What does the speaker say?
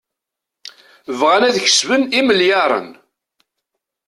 Bɣan ad kesben imelyaṛen.